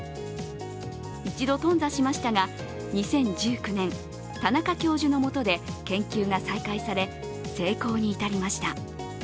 一度頓挫しましたが、２０１９年、田中教授のもとで研究が再開され、成功に至りました。